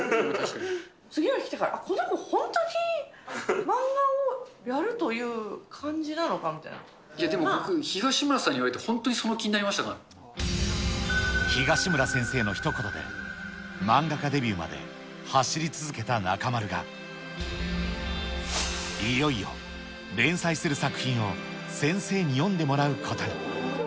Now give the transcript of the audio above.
次の日来たから、この子、本当に漫画をやるという感じなのかみたでも僕、東村さんに言われて東村先生のひと言で、漫画家デビューまで走り続けた中丸が、いよいよ連載する作品を先生に読んでもらうことに。